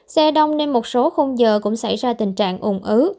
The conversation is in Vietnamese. xe đông nên một số khung giờ cũng xảy ra tình trạng ủng ứ